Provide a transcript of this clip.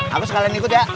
apa sekalian ikut ya